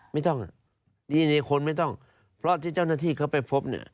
ไม่ต้องดีในคนไม่ต้องเพราะที่เจ้าหน้าที่เขาไปพบเนี่ย